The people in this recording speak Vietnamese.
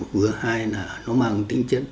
vừa hai là nó mang tính chất